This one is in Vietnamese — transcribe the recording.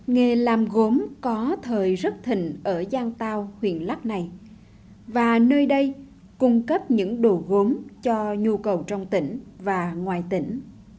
nghề làm gốm có thời rất thình ở giang tao huyện lắc này và nơi đây cung cấp những đồ gốm cho nhu cầu trong tỉnh và ngoài tỉnh